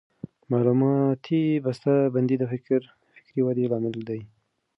معلوماتي بسته بندي د فکري ودې لامل دی.